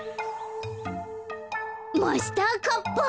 マスターカッパー。